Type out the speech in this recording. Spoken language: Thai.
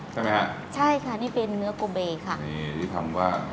ใช่ไหมฮะใช่ค่ะนี่เป็นเนื้อโกเบค่ะนี่หรือคำว่า